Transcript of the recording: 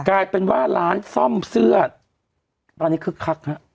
กลายเป็นว่าร้านซ่อมเสื้อตอนนี้คึกคักฮะ